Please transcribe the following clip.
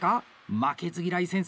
「負けず嫌い先生」